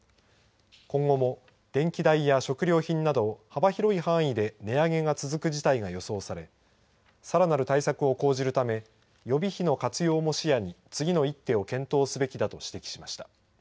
今後も電気代や食料品など幅広い範囲で値上げが続く事態が予想されさらなる対策を講じるため予備費の活用も視野に次の一手を検討すべきだと指摘しました。